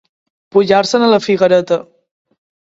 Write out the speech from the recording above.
Pujar-se'n a la figuereta.